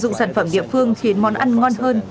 sử dụng sản phẩm địa phương khiến món ăn ngon hơn